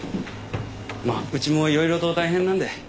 まあうちもいろいろと大変なんで。